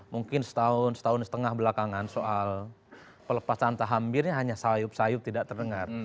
mungkin setahun setengah belakangan soal pelepasan taham bir ini hanya sayup sayup tidak terdengar